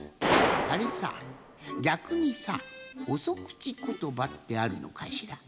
あれさぎゃくにさおそくちことばってあるのかしら？